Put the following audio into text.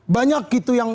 banyak gitu yang